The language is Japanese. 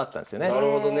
なるほどね。